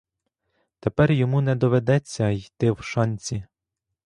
Тепер йому не доведеться йти в шанці!